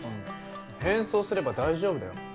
変装すれば大丈夫だよ。